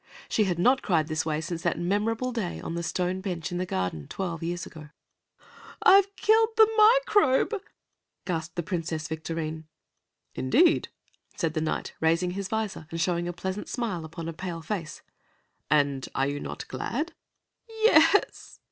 She had not cried this way since that memorable day on the stone bench in the garden, twelve years ago. "I've I've killed the Microbe!" gasped Princess Victorine. "Indeed?" said the Knight, raising his visor and showing a pleasant smile upon a pale face. "And are you not glad?" "Ye es!"